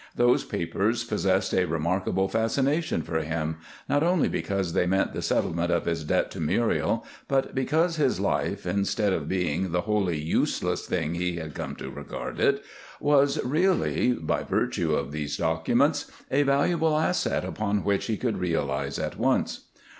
Those papers possessed a remarkable fascination for him, not only because they meant the settlement of his debt to Muriel, but because his life, instead of being the wholly useless thing he had come to regard it, was really, by virtue of those documents, a valuable asset upon which he could realize at once.